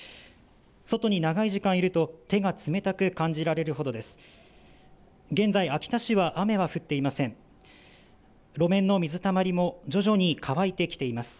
外に長い時間いると手が冷たく感じられるほどです。